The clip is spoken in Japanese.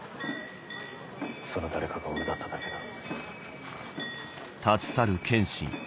その誰かが俺だっただけだ。